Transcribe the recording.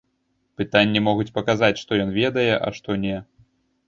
Пытанні могуць паказаць, што ён ведае, а што не.